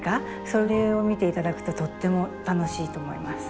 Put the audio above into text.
それを見て頂くととっても楽しいと思います。